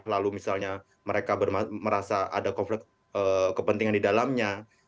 lalu misalnya mereka merasa ada konflik kepentingan di dalamnya